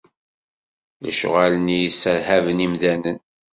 Lecɣal-nni yesserhaben imdanen.